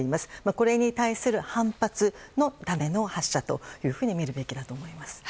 これに対する反発のための発射というふうにみるべきだと思います。